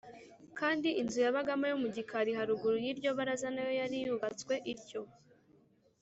Kandi inzu yabagamo yo mu gikari haruguru y’iryo baraza na yo yari yubatswe ityo